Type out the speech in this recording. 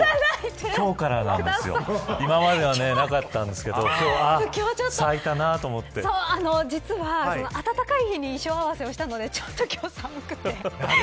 今までは、なかったんですけれど実は暖かい日に衣装合わせをしたのでちょっと今日、寒くて。